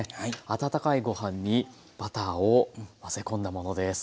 温かいご飯にバターを混ぜ込んだものです。